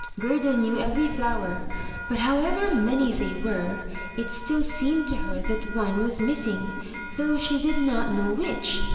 Gerda knew every flower; but however many they were, it still seemed to her that one was missing, though she did not know which.